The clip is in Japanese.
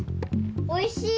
おいしい！